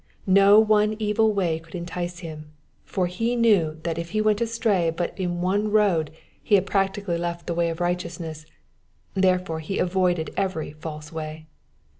No one evil way could entice him, for he knew that if he went astray but in one road he had practically left the way of righteousness, therefore he avoided every false way.